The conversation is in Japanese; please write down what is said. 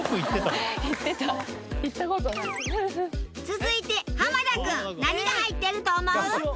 続いて田君何が入ってると思う？